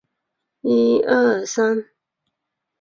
股东是长江和记实业有限公司及新鸿基地产。